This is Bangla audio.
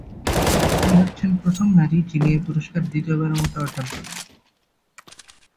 তিনি হচ্ছেন প্রথম নারী যিনি এ পুরস্কার দ্বিতীয়বারের মতো অর্জন করলেন।